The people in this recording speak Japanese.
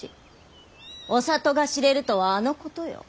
お里が知れるとはあのことよ！